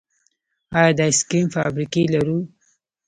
آیا د آیس کریم فابریکې لرو؟